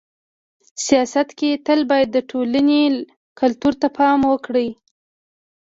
سیاست کي تل باید د ټولني کلتور ته پام وکړي.